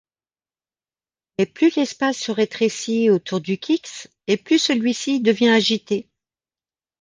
Mais plus l'espace se rétrécit autour du Qix et plus celui-ci devient agité.